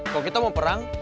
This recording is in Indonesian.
kalo kita mau perang